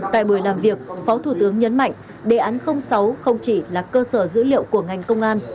tại buổi làm việc phó thủ tướng nhấn mạnh đề án sáu không chỉ là cơ sở dữ liệu của ngành công an